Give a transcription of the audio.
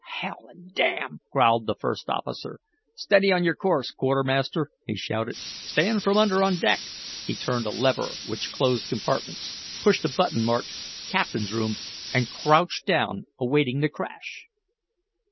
"H l and d " growled the first officer. "Steady on your course, quartermaster," he shouted. "Stand from under on deck." He turned a lever which closed compartments, pushed a button marked "Captain's Room," and crouched down, awaiting the crash.